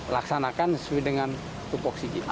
laksanakan sesuai dengan tubuh oksigen